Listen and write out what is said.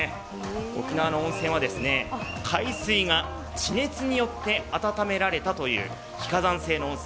沖縄の温泉は海水が地熱によって温められたという非火山性の温泉。